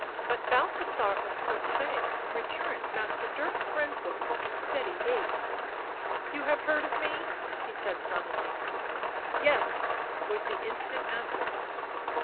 But Balthasar of Cour trai returned Master Dirk Renswoude' s steady gaze. 11 You have heard of me?" he said suddenly. <c Yes," was the instant answer.